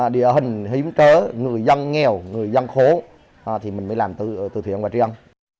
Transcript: địa hình hiếm trớ người dân nghèo người dân khố thì mình mới làm từ thiện và trí ân